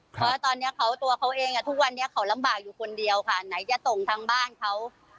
เพราะตอนนี้เขาตัวเขาเองทุกวันนี้เขาลำบากอยู่คนเดียวค่ะไหนจะส่งทางบ้านเขา